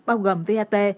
bao gồm vat